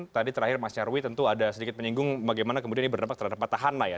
tadi terakhir mas nyarwi tentu ada sedikit menyinggung bagaimana kemudian ini berdampak terhadap petahana ya